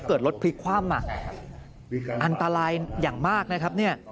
เกิดรถพลิกคว่ำอันตรายอย่างมากนะครับ